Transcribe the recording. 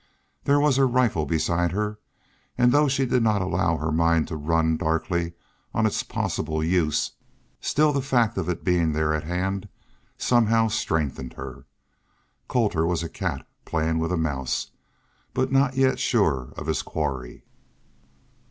There was her rifle beside her, and though she did not allow her mind to run darkly on its possible use, still the fact of its being there at hand somehow strengthened her. Colter was a cat playing with a mouse, but not yet sure of his quarry.